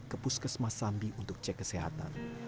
ke puskesmas sambi untuk cek kesehatan